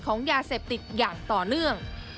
ของยาเสพติดอย่างต่อเนื่อง